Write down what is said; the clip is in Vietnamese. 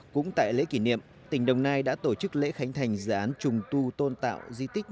cũng tại lễ kỷ niệm tỉnh đồng nai đã tổ chức lễ khánh thành dự án trùng tu tôn tạo di tích